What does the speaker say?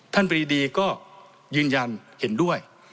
บรีดีก็ยืนยันเห็นด้วย